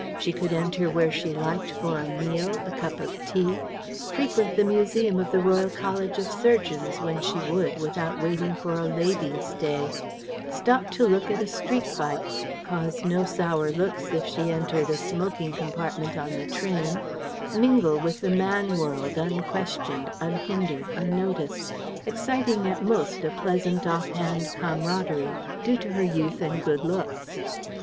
She could enter where she liked for a meal, a cup of tea, frequent the museum of the Royal College of Surgeons when she would without waiting for a "ladies" day; stop to look at a street fight, cause no sour looks if she entered a smoking compartment on the train, mingle with the man world unquestioned, unhindered, unnoticed, exciting at most a pleasant off hand camaraderie due to her youth and good looks.